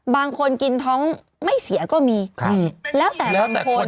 บางคนกินท้องไม่เสียก็มีแล้วแต่ละคน